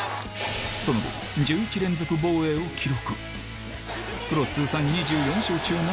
その後１１連続防衛を記録